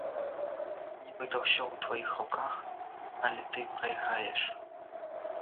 Нібыта ўсё ў тваіх руках, але ты прайграеш.